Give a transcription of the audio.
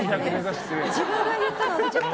自分が言ったの忘れちゃった。